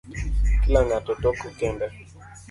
Kila ngato toko kende